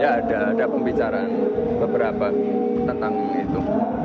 ya ada pembicaraan beberapa tentang itu